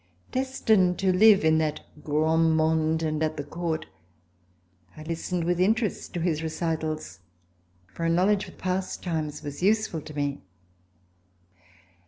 Destined to \iv tin the gra7id monde and at the Court, I listened with interest to his reci tals, for a knowledge of past times was useful to me.